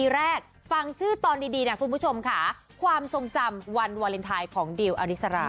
และฟังชื่อตอนดีความทรงจำวันวาเลนไทยของดิวอาริสรา